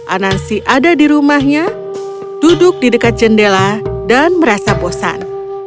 anansi ada di rumahnya duduk di dekat jendela dan merasa bosan